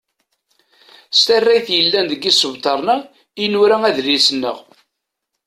S tarrayt yellan deg isebtaren-a i nura adlis-nneɣ.